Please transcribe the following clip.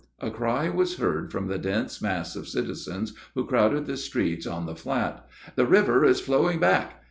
A cry was heard from the dense mass of citizens who crowded the streets on the flat, "The river is flowing back!"